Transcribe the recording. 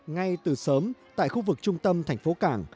ngay từ sớm tại khu vực trung tâm thành phố cảng